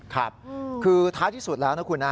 ครับคือท้ายที่สุดแล้วนะคุณนะ